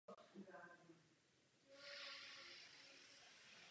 K rozptýlení této nedůvěry potřebujeme opatření ke zvýšení důvěry.